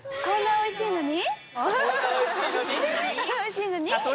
おいしいのに？